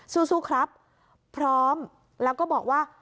สู้ครับพร้อมแล้วก็บอกว่า